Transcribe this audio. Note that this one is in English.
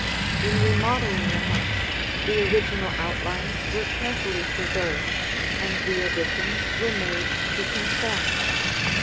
In remodeling the house, the original outlines were carefully preserved, and the additions were made to conform.